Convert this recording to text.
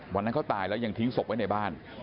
วันนั้นเขาตายแล้วยังทิ้งศพไว้ในบ้าน